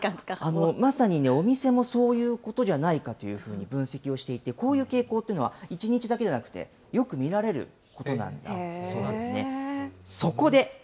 まさにね、お店もそういうことじゃないかと分析をしていて、こういう傾向っていうのは、１日だけじゃなくてよく見られることなんだそうなんですね。